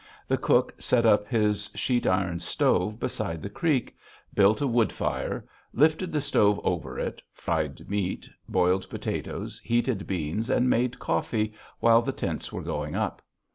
The cook set up his sheet iron stove beside the creek, built a wood fire, lifted the stove over it, fried meat, boiled potatoes, heated beans, and made coffee while the tents were going up.